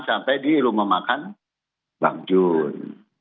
sampai di rumah makan bagjun